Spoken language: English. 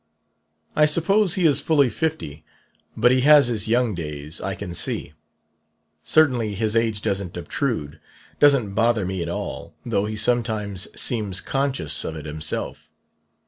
"I suppose he is fully fifty; but he has his young days, I can see. Certainly his age doesn't obtrude, doesn't bother me at all, though he sometimes seems conscious of it himself.